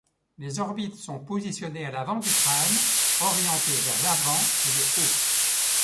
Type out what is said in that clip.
Les orbites sont positionnées à l'avant du crâne, orientées vers l'avant et le haut.